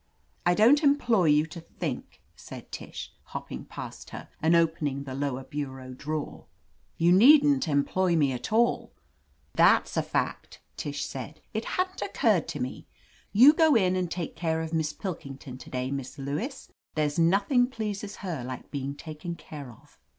"I don't employ you to think," said Tish, hopping past her and opening the lower bu reau drawer. "You needn't employ me at all." "That's a fact," Tish said. "It hadn't oc curred to me. You go in and take care of Miss Pilkington to day. Miss Lewis. There's nothing pleases her like being taken care of."